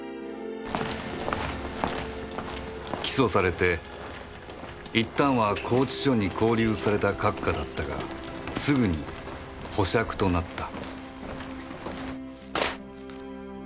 起訴されて一旦は拘置所に拘留された閣下だったがすぐに保釈となった